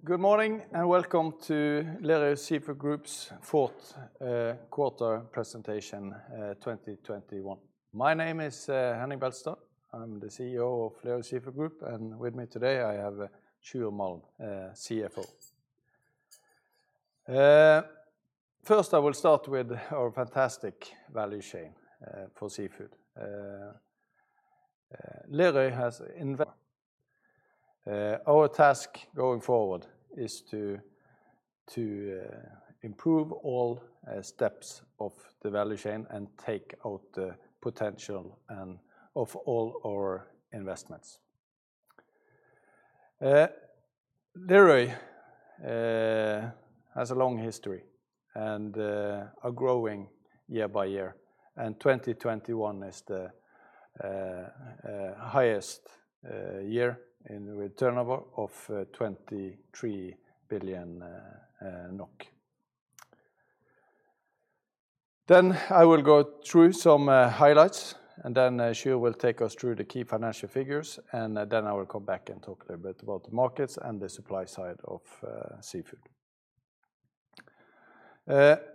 Good morning, and welcome to Lerøy Seafood Group's fourth quarter presentation, 2021. My name is Henning Beltestad. I'm the CEO of Lerøy Seafood Group, and with me today I have Sjur Malm, CFO. First I will start with our fantastic value chain for seafood. Our task going forward is to improve all steps of the value chain and take out the potential and of all our investments. Lerøy has a long history and are growing year by year, and 2021 is the highest year in return of 23 billion NOK. I will go through some highlights, and Sjur will take us through the key financial figures, and then I will come back and talk a little bit about the markets and the supply side of seafood.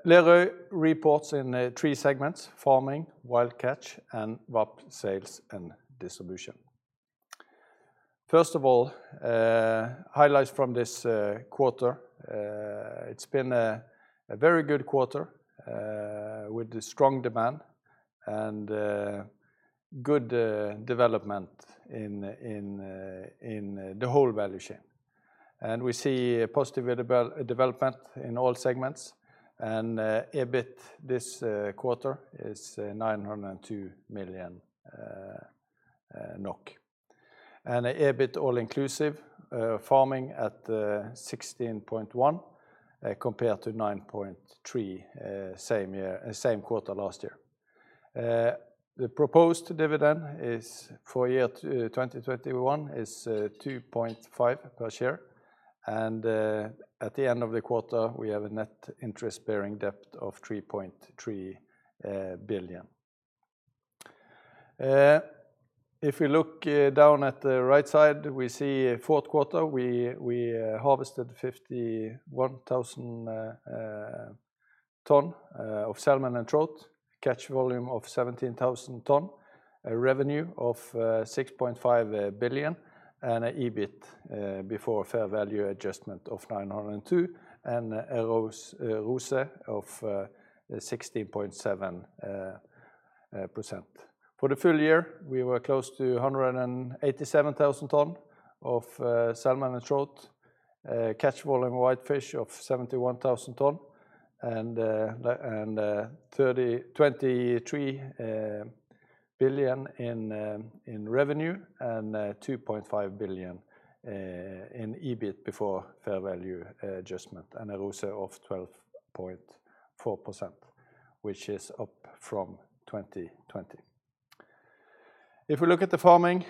Lerøy reports in three segments, Farming, Wild Catch, and VAP, Sales & Distribution. First of all, highlights from this quarter. It's been a very good quarter with strong demand and good development in the whole value chain. We see a positive development in all segments, and EBIT this quarter is NOK 902 million. EBIT all inclusive Farming at 16.1 compared to 9.3 same quarter last year. The proposed dividend for 2021 is 2.5 per share. At the end of the quarter, we have a net interest-bearing debt of 3.3 billion. If we look down at the right side, we see fourth quarter, we harvested 51,000 tonnes of salmon and trout, catch volume of 17,000 tonnes, a revenue of 6.5 billion, and a EBIT before fair value adjustment of 902, and a ROCE of 16.7%. For the full year, we were close to 187,000 t of salmon and trout. Catch volume whitefish of 71,000 tonnes and 23 billion in revenue and 2.5 billion in EBIT before fair value adjustment and a ROCE of 12.4%, which is up from 2020. If we look at the Farming,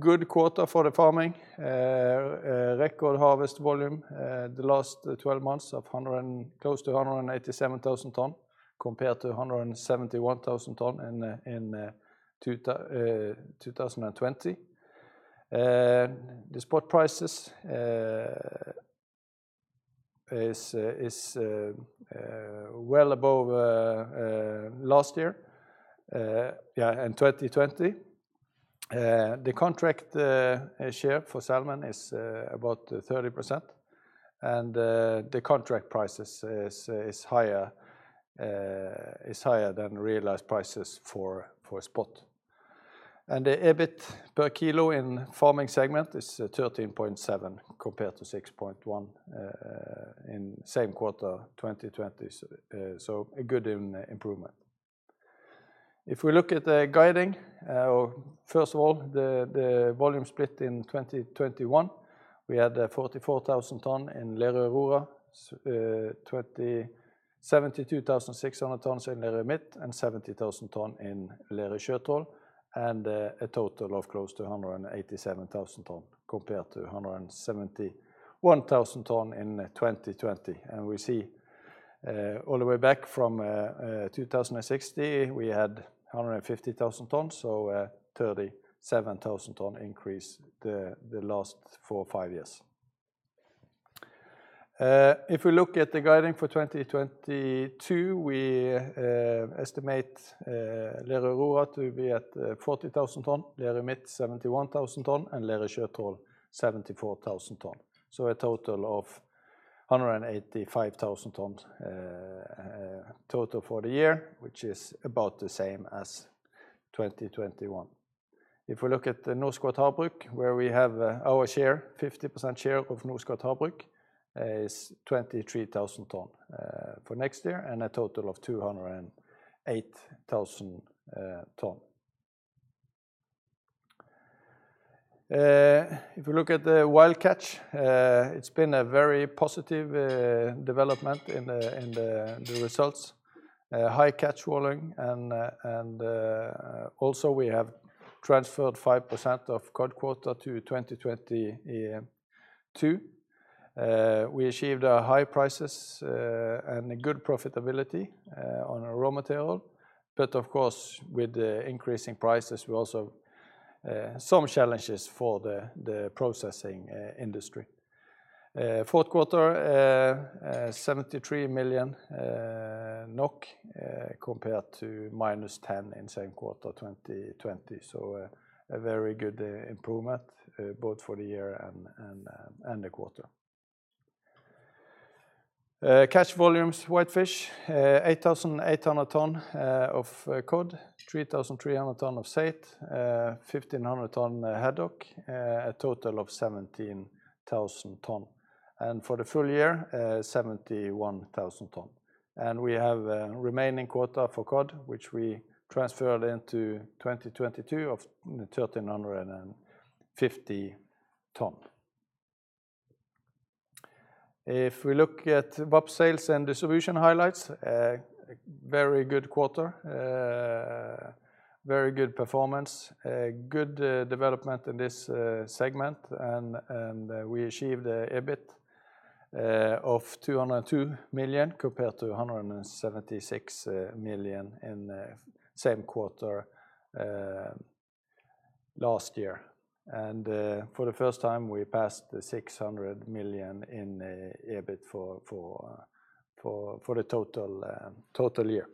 good quarter for the Farming. Record harvest volume, the last 12 months of close to 187,000 tonnes, compared to 71,000 tonnes in 2020. The spot prices is well above last year. Yeah, in 2020. The contract share for salmon is about 30%, and the contract prices is higher than realized prices for spot. The EBIT per kilo in Farming segment is 13.7 compared to 6.1 in same quarter 2020. A good improvement. If we look at the guidance, first of all, the volume split in 2021, we had 44,000 tonnes in Lerøy Aurora, 72,600 tonnes in Lerøy Midt, and 70,000 tonnes in Lerøy Sjøtroll, and a total of close to 187,000 tonnes, compared to 171,000 tonnes in 2020. We see all the way back from 2016, we had 150,000 tonnes, so 37,000 ton increase in the last four, five years. If we look at the guidance for 2022, we estimate Lerøy Aurora to be at 40,000 tonnes, Lerøy Midt 71,000 tonnes, and Lerøy Sjøtroll 74,000 tonnes. A total of 185,000 tonnes total for the year, which is about the same as 2021. If we look at the Norskott Havbruk, where we have our share, 50% share of Norskott Havbruk is 23,000 tonnes for next year, and a total of 208,000 tonnes. If you look at the Wild Catch, it's been a very positive development in the results. High catch volume and also we have transferred 5% of cod quota to 2022. We achieved high prices and a good profitability on our raw material. But of course, with the increasing prices we also some challenges for the processing industry. Fourth quarter 73 million NOK compared to -10 million in same quarter 2020. So a very good improvement both for the year and the quarter. Catch volumes whitefish 8,800 tonnes of cod, 3,300 tonnes of saithe, 1,500 tonnes haddock, a total of 17,000 tonnes. For the full year, 71,000 tonnes. We have remaining quota for cod which we transferred into 2022 of 1,350 tonnes. If we look at VAP, Sales & Distribution highlights, very good quarter. Very good performance. Good development in this segment and we achieved EBIT of 202 million compared to 176 million in same quarter last year. For the first time, we passed the 600 million in EBIT for the total year.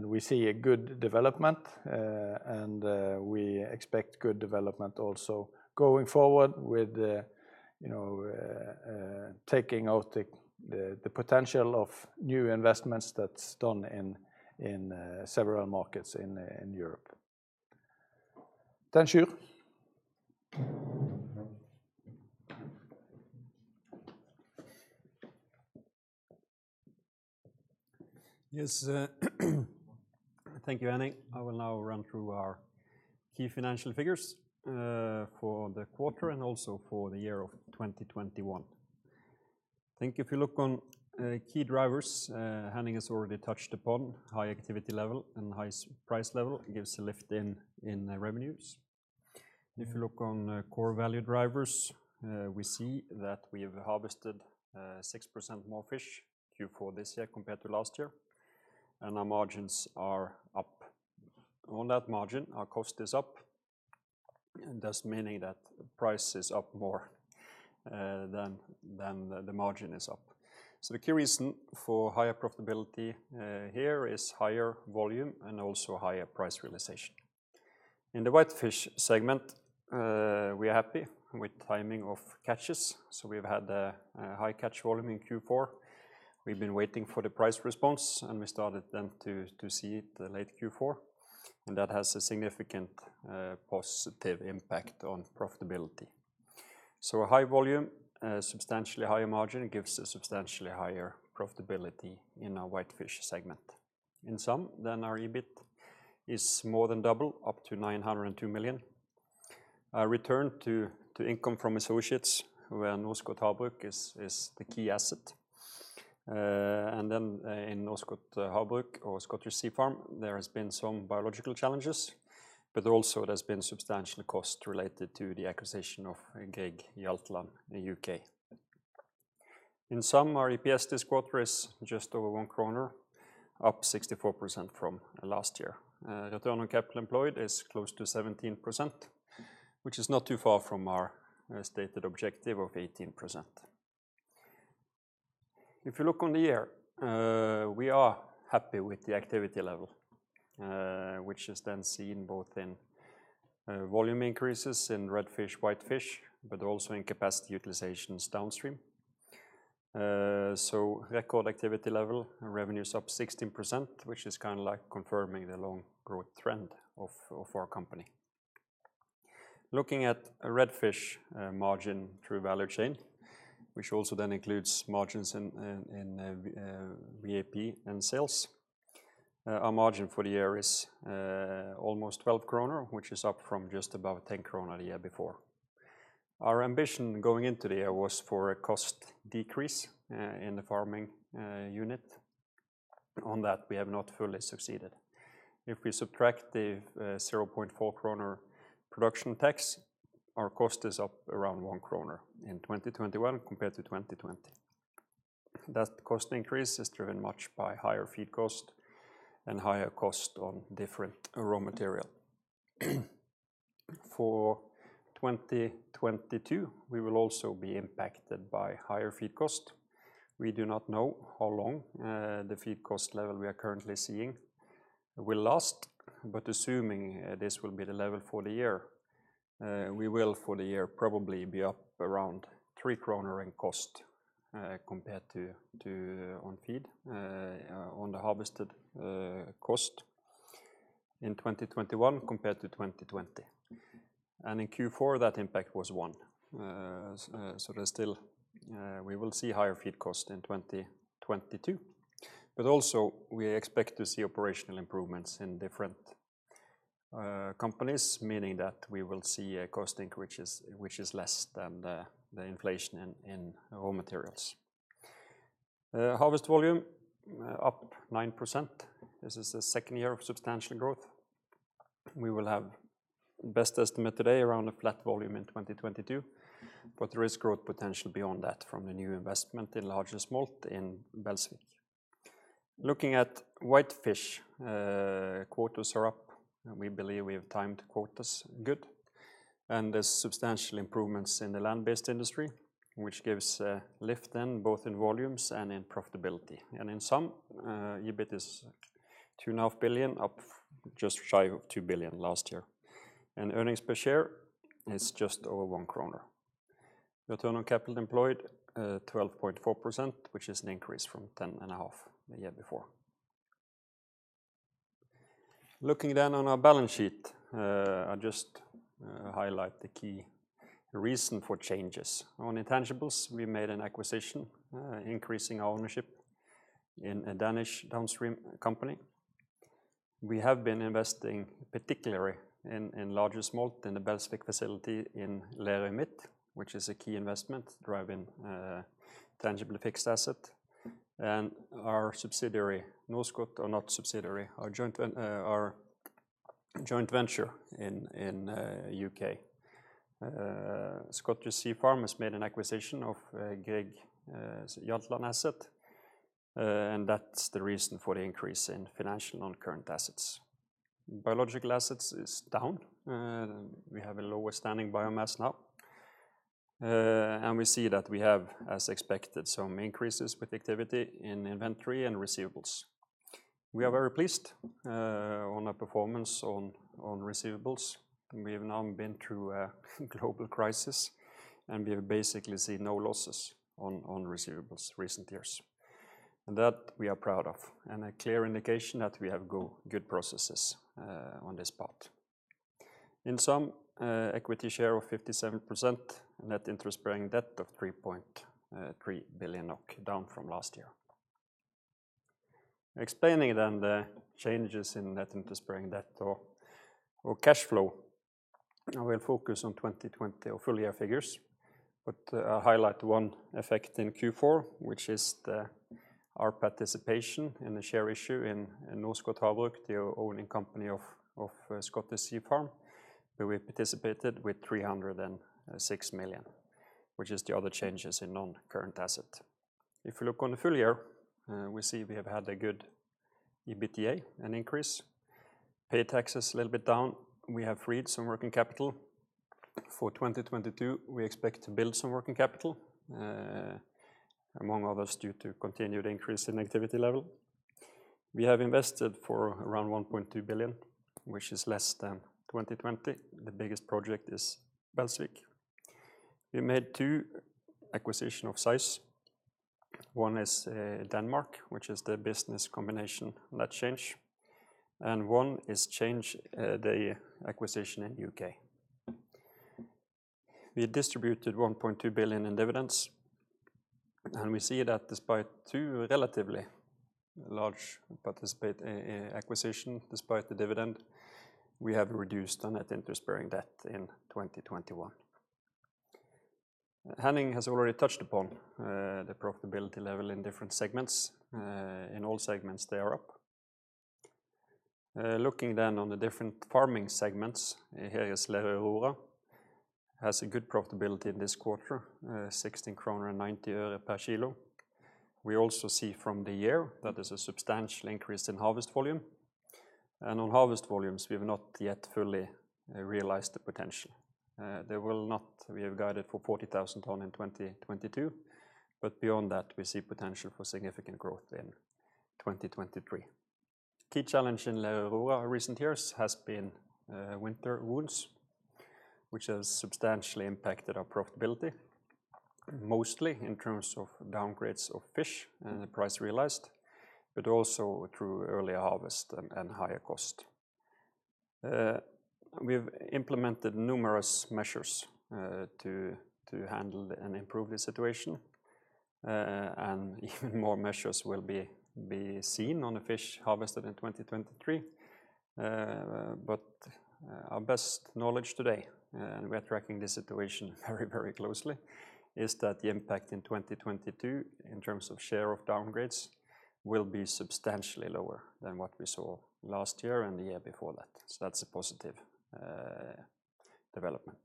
We see a good development and we expect good development also going forward with you know taking out the potential of new investments that's done in several markets in Europe. Thank you. Yes. Thank you, Henning. I will now run through our key financial figures for the quarter and also for the year of 2021. I think if you look on key drivers, Henning has already touched upon high activity level and high price level gives a lift in revenues. If you look on core value drivers, we see that we have harvested 6% more fish Q4 this year compared to last year, and our margins are up. On that margin, our cost is up, thus meaning that price is up more than the margin is up. The key reason for higher profitability here is higher volume and also higher price realization. In the whitefish segment, we are happy with timing of catches, so we've had a high catch volume in Q4. We've been waiting for the price response, and we started then to see it in late Q4, and that has a significant positive impact on profitability. A high volume, a substantially higher margin gives a substantially higher profitability in our whitefish segment. In sum, our EBIT is more than double, up to 902 million. A return to income from associates where Norskott Havbruk is the key asset. In Norskott Havbruk or Scottish Sea Farms, there has been some biological challenges, but also there's been substantial cost related to the acquisition of Grieg Seafood Hjaltland in U.K. In sum, our EPS this quarter is just over 1 kroner, up 64% from last year. Return on capital employed is close to 17%, which is not too far from our stated objective of 18%. If you look at the year, we are happy with the activity level, which is then seen both in volume increases in red fish, white fish, but also in capacity utilizations downstream. Record activity level, revenues up 16%, which is kind of like confirming the long growth trend of our company. Looking at red fish margin through value chain, which also then includes margins in VAP, Sales & Distribution, our margin for the year is almost 12 kroner, which is up from just above 10 kroner the year before. Our ambition going into the year was for a cost decrease in the Farming unit. On that, we have not fully succeeded. If we subtract the 0.4 kroner production tax, our cost is up around 1 kroner in 2021 compared to 2020. That cost increase is driven much by higher feed cost and higher cost on different raw material. For 2022, we will also be impacted by higher feed cost. We do not know how long the feed cost level we are currently seeing will last. Assuming this will be the level for the year, we will for the year probably be up around 3 kroner in cost compared to on feed on the harvested cost in 2021 compared to 2020. In Q4, that impact was 1. So there's still we will see higher feed cost in 2022. Also we expect to see operational improvements in different companies, meaning that we will see a cost increase which is less than the inflation in raw materials. Harvest volume up 9%. This is the second year of substantial growth. We will have best estimate today around a flat volume in 2022, but there is growth potential beyond that from the new investment in larger smolt in Belsvik. Looking at whitefish, quotas are up, and we believe we have timed quotas good. There's substantial improvements in the land-based industry, which gives a lift then both in volumes and in profitability. In sum, EBIT is 2.5 billion, up just shy of 2 billion last year. Earnings per share is just over 1 kroner. Return on capital employed, twelve point four percent, which is an increase from 10.5% the year before. Looking on our balance sheet, I'll just highlight the key reason for changes. On intangibles, we made an acquisition increasing our ownership in a Danish downstream company. We have been investing particularly in larger smolt in the Belsvik facility in Lerøy Midt, which is a key investment driving tangible fixed asset. Our joint venture Norskott in the U.K. Scottish Sea Farms has made an acquisition of Grieg Hjaltland asset, and that's the reason for the increase in financial non-current assets. Biological assets is down. We have a lower standing biomass now. We see that we have, as expected, some increases with activity in inventory and receivables. We are very pleased on our performance on receivables. We have now been through a global crisis, and we have basically seen no losses on receivables in recent years. That we are proud of, and a clear indication that we have good processes on this part. In sum, equity share of 57%, net interest-bearing debt of 3.3 billion NOK, down from last year. Explaining the changes in net interest-bearing debt or cash flow, I will focus on 2020 full year figures. I'll highlight one effect in Q4, which is our participation in the share issue in Norskott Havbruk, the owning company of Scottish Sea Farms, where we participated with 306 million, which is the other changes in non-current asset. If you look on the full year, we see we have had a good EBITDA, an increase. Paid taxes a little bit down. We have freed some working capital. For 2022, we expect to build some working capital, among others due to continued increase in activity level. We have invested for around 1.2 billion, which is less than 2020. The biggest project is Belsvik. We made two acquisitions of size. One is Denmark, which is the business combination, Seafood Danmark. One is Grieg Seafood Hjaltland, the acquisition in the U.K. We distributed 1.2 billion in dividends. We see that despite two relatively large acquisitions, despite the dividend, we have reduced the net interest-bearing debt in 2021. Henning has already touched upon the profitability level in different segments. In all segments, they are up. Looking then on the different Farming segments, here Lerøy Aurora has a good profitability in this quarter, NOK 16.90 per kilo. We also see from the year that there's a substantial increase in harvest volume. On harvest volumes, we have not yet fully realized the potential. We have guided for 40,000 tonnes in 2022, but beyond that, we see potential for significant growth in 2023. Key challenge in Lerøy Aurora recent years has been winter wounds, which has substantially impacted our profitability, mostly in terms of downgrades of fish and the price realized, but also through earlier harvest and higher cost. We've implemented numerous measures to handle and improve the situation, and even more measures will be seen on the fish harvested in 2023. Our best knowledge today, and we are tracking the situation very, very closely, is that the impact in 2022 in terms of share of downgrades will be substantially lower than what we saw last year and the year before that. That's a positive development.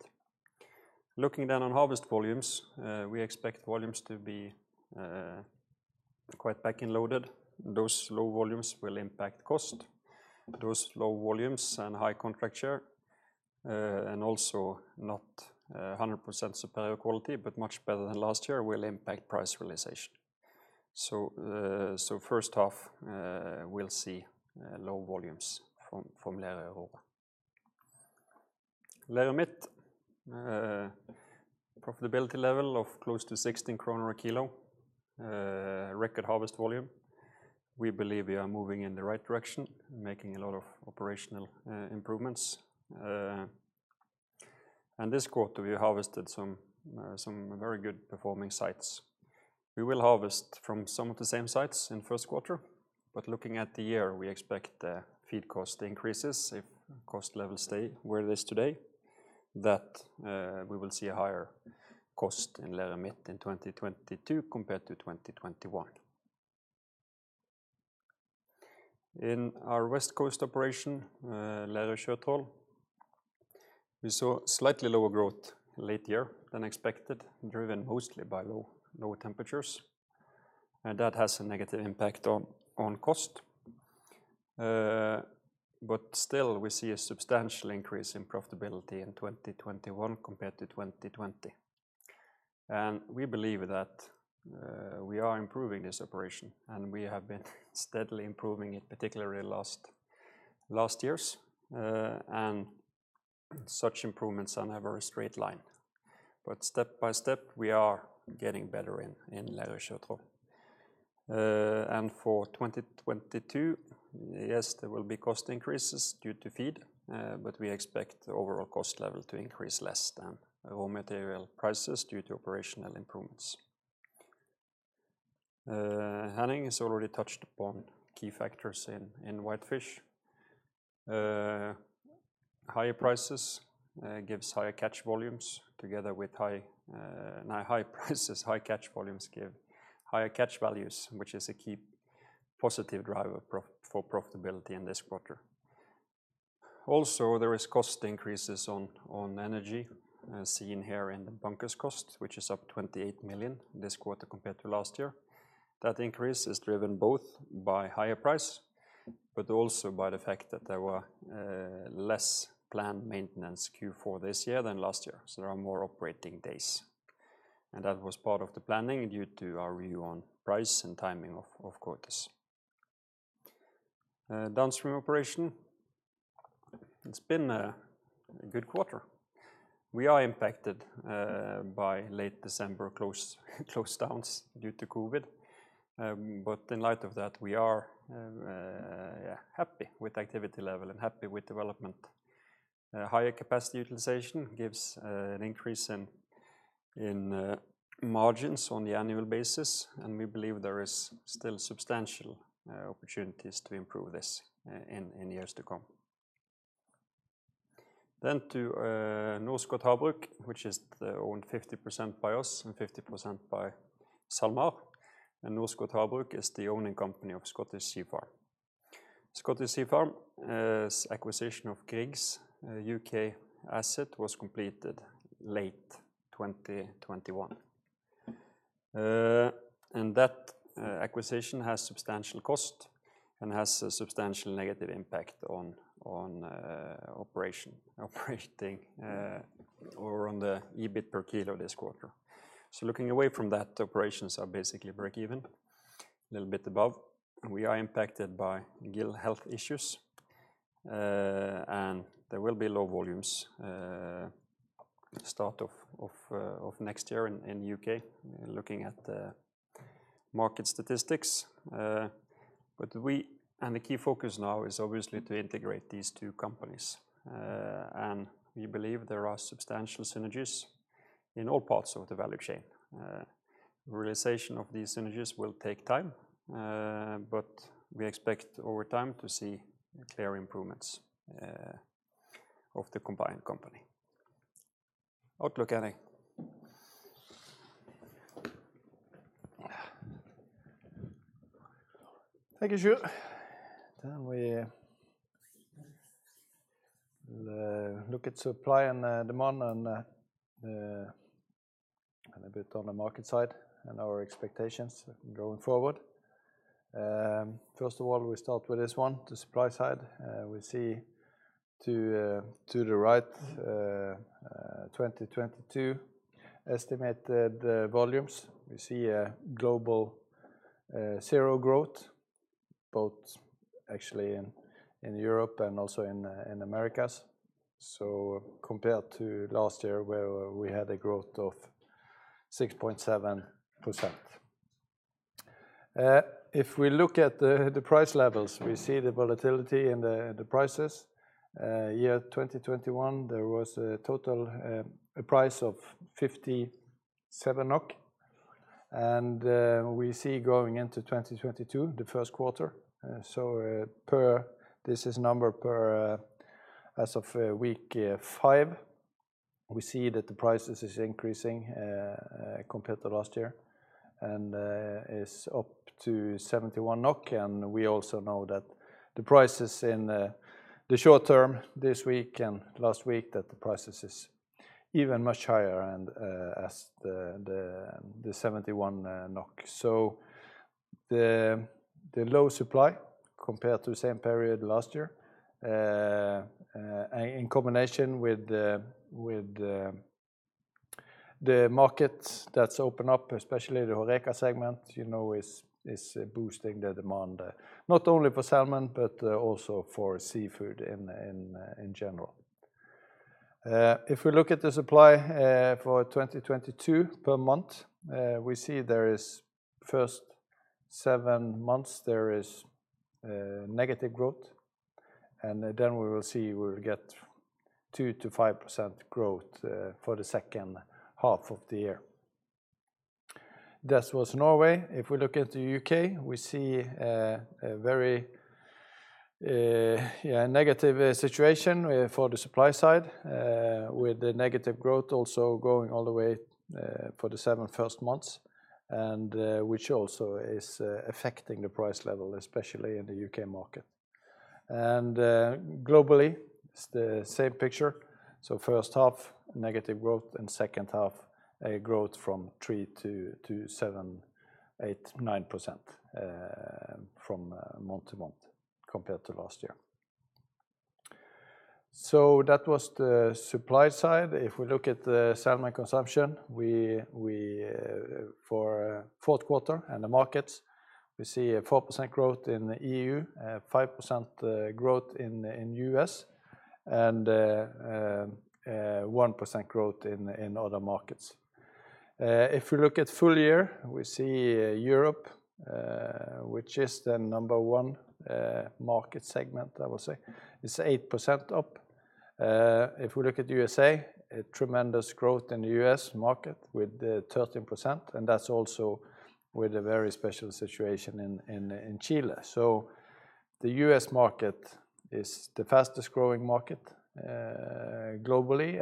Looking then on harvest volumes, we expect volumes to be quite back-end loaded. Those low volumes will impact cost. Those low volumes and high contract share, and also not 100% superior quality, but much better than last year, will impact price realization. First half, we'll see low volumes from Lerøy Aurora. Lerøy Midt, profitability level of close to 16 kroner a kilo, record harvest volume. We believe we are moving in the right direction, making a lot of operational improvements. This quarter, we harvested some very good performing sites. We will harvest from some of the same sites in first quarter, but looking at the year, we expect the feed cost increases if cost level stay where it is today. That we will see a higher cost in Lerøy Midt in 2022 compared to 2021. In our West Coast operation, Lerøy Sjøtroll, we saw slightly lower growth last year than expected, driven mostly by low temperatures. That has a negative impact on cost. Still we see a substantial increase in profitability in 2021 compared to 2020. We believe that we are improving this operation, and we have been steadily improving it, particularly last years. Such improvements are never a straight line. Step by step, we are getting better in Lerøy Sjøtroll. For 2022, yes, there will be cost increases due to feed, but we expect the overall cost level to increase less than raw material prices due to operational improvements. Henning has already touched upon key factors in whitefish. Higher prices gives higher catch volumes together with high prices, high catch volumes give higher catch values, which is a key positive driver for profitability in this quarter. Also, there is cost increases on energy, seen here in the bunkers cost, which is up 28 million this quarter compared to last year. That increase is driven both by higher price, but also by the fact that there were less planned maintenance Q4 this year than last year. There are more operating days. That was part of the planning due to our view on price and timing of quotas. Downstream operation, it's been a good quarter. We are impacted by late December close downs due to COVID. But in light of that, we are happy with activity level and happy with development. Higher capacity utilization gives an increase in margins on the annual basis, and we believe there is still substantial opportunities to improve this in years to come. To Norskott Havbruk, which is owned 50% by us and 50% by SalMar. Norskott Havbruk is the owning company of Scottish Sea Farms. Scottish Sea Farms' acquisition of Grieg's UK asset was completed late 2021. That acquisition has substantial cost and has a substantial negative impact on the EBIT per kilo this quarter. Looking away from that, operations are basically breakeven, a little bit above. We are impacted by gill health issues. There will be low volumes start of next year in the U.K., looking at the market statistics. The key focus now is obviously to integrate these two companies. We believe there are substantial synergies in all parts of the value chain. Realization of these synergies will take time, but we expect over time to see clear improvements of the combined company. Outlook, Henning. Thank you, Sjur. We look at supply and demand and a bit on the market side and our expectations going forward. First of all, we start with this one, the supply side. We see to the right 2022 estimated volumes. We see a global zero growth, both actually in Europe and also in Americas. Compared to last year where we had a growth of 6.7%. If we look at the price levels, we see the volatility in the prices. Year 2021, there was a total price of 57 NOK. We see going into 2022, the first quarter, this is number per as of week five. We see that the prices is increasing compared to last year and is up to 71 NOK. We also know that the prices in the short term this week and last week, that the prices is even much higher and as the 71 NOK. The low supply compared to same period last year in combination with the markets that's opened up, especially the HoReCa segment, you know, is boosting the demand not only for salmon, but also for seafood in general. If we look at the supply for 2022 per month, we see in the first seven months there is negative growth. We will get 2%-5% growth for the second half of the year. That was Norway. If we look at the U.K., we see a very negative situation for the supply side with the negative growth also going all the way for the first seven months and which also is affecting the price level, especially in the U.K. market. Globally it's the same picture. First half, negative growth and second half a growth from 3% to 9% month-to-month compared to last year. That was the supply side. If we look at the salmon consumption, for fourth quarter and the markets, we see a 4% growth in the EU, 5% growth in U.S. and 1% growth in other markets. If we look at full year, we see Europe, which is the number one market segment, I would say. It's 8% up. If we look at U.S., a tremendous growth in the U.S. market with 13%, and that's also with a very special situation in Chile. So the U.S. market is the fastest growing market globally.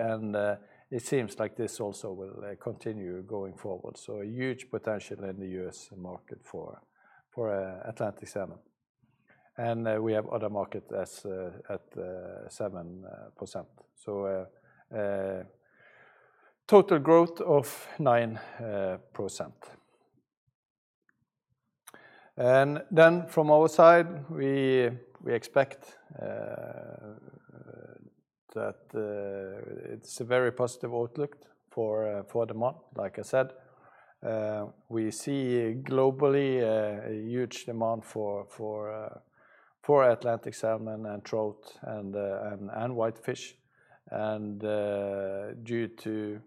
It seems like this also will continue going forward. So a huge potential in the U.S. market for Atlantic salmon. We have other markets at 7%. Total growth of 9%. From our side, we expect that it's a very positive outlook for demand, like I said. We see globally a huge demand for Atlantic salmon and trout and whitefish due to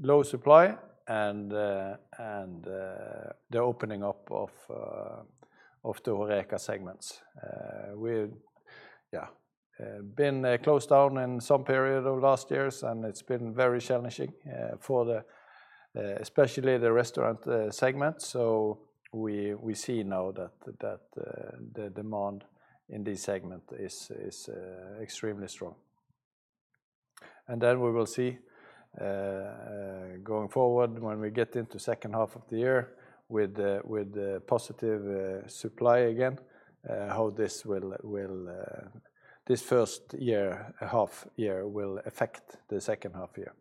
low supply and the opening up of the HoReCa segments. We've been closed down in some period of last years, and it's been very challenging, especially for the restaurant segment. We see now that the demand in this segment is extremely strong. Then we will see, going forward when we get into second half of the year with the positive supply again, how this first half year will affect the second half year.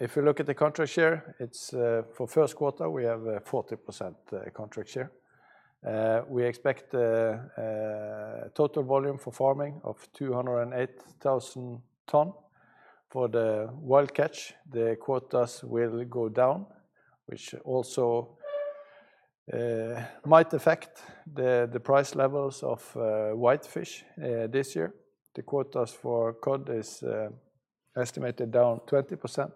If you look at the contract share, it's for first quarter, we have a 40% contract share. We expect total volume for Farming of 208,000 tonnes. For the Wild Catch, the quotas will go down, which also might affect the price levels of whitefish this year. The quotas for cod is estimated down 20%,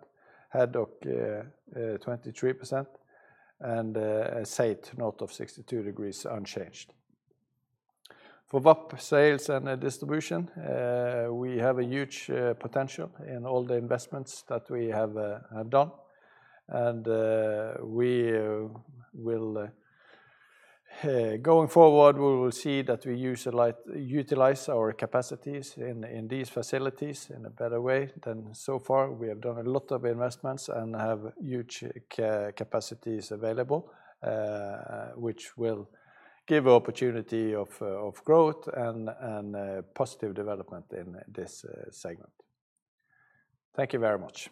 haddock 23% and saithe north of 62% unchanged. For VAP, Sales & Distribution, we have a huge potential in all the investments that we have done. Going forward, we will see that we utilize our capacities in these facilities in a better way than so far. We have done a lot of investments and have huge capacities available, which will give opportunity of growth and positive development in this segment. Thank you very much.